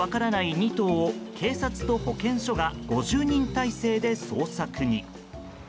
２頭を警察と保健所が５０人体制で捜索に。